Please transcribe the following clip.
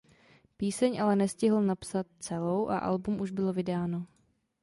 Píseň ale nestihl napsat celou a album už bylo vydáno.